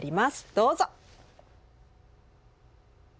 どうぞ！